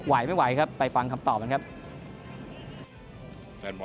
ไม่ไหวครับไปฟังคำตอบมันครับ